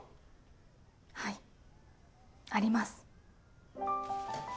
はいあります。